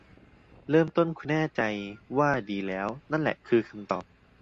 เริ่มต้นคุณแน่ใจว่าดีแล้ว นั่นแหละคือคำตอบ